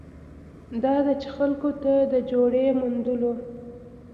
دا ده چې خلکو ته د جوړې موندلو